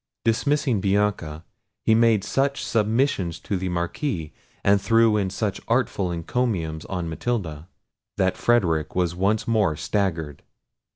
Dismissing Bianca, he made such submissions to the Marquis, and threw in such artful encomiums on Matilda, that Frederic was once more staggered.